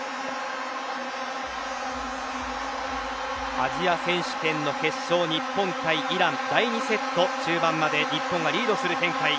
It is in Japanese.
アジア選手権の決勝日本対イラン第２セット、中盤まで日本がリードする展開。